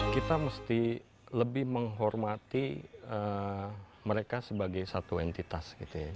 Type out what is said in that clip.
kita mesti lebih menghormati mereka sebagai satu entitas